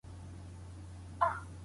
ارزونه د زده کړي نیمګړتیاوي په ګوته کوي.